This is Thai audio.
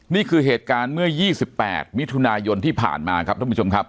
นี่คือเหตุการณ์เมื่อ๒๘มิถุนายนที่ผ่านมาครับท่านผู้ชมครับ